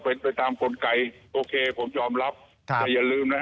ให้ไปทำกลไกโอเคผมยอมรับไม่อย่าลืมนะครับ